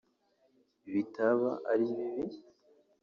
bitaba ari bibi